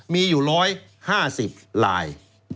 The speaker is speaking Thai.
มีอยู่๑๕๐ลาย